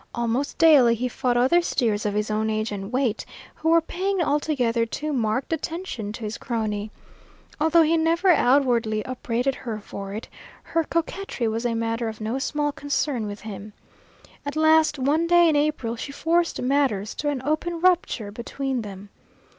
Almost daily he fought other steers of his own age and weight, who were paying altogether too marked attention to his crony. Although he never outwardly upbraided her for it, her coquetry was a matter of no small concern with him. At last one day in April she forced matters to an open rupture between them.